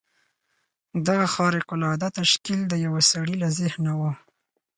دغه خارق العاده تشکیل د یوه سړي له ذهنه و